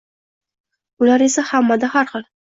Ular esa hammada har xil!